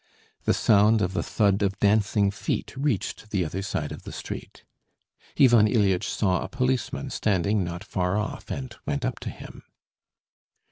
The sound of the thud of dancing feet reached the other side of the street. Ivan Ilyitch saw a policeman standing not far off, and went up to him.